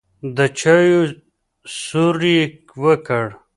د چايو سور يې وکړ.